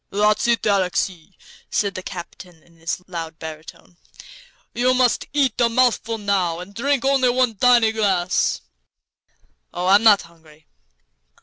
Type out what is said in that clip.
"That's it, Alexey," said the captain, in his loud baritone. "You must just eat a mouthful, now, and drink only one tiny glass." "Oh, I'm not hungry."